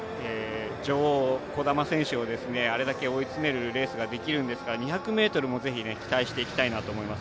女王、兒玉選手をあれだけ追い詰めるレースができるんですから２００ｍもぜひ期待していきたいなと思います。